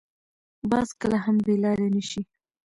باز کله هم بې لارې نه شي